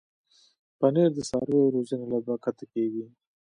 پنېر د څارویو روزنې له برکته کېږي.